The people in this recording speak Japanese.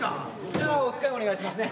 じゃあお使いお願いしますね。